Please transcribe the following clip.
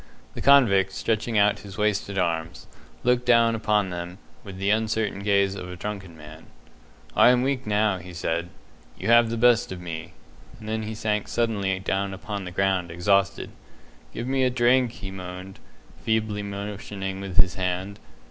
The convict, stretching out his wasted arms, looked down upon them with the uncertain gaze of a drunken man. "I am weak now," he said. "You have the best of me"; and then he sank suddenly down upon the ground, exhausted. "Give me a drink," he moaned, feebly motioning with his hand.